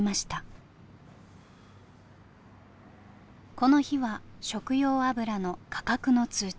この日は食用油の価格の通知。